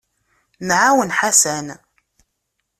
Nɛawen Ḥasan.